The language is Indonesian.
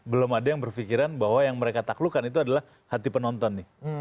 belum ada yang berpikiran bahwa yang mereka taklukkan itu adalah hati penonton nih